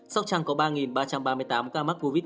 sóc trăng có ba ba trăm ba mươi tám ca mắc covid một mươi chín